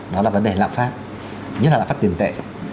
đó là vấn đề lạc phát nhất là lạc phát tiền tệ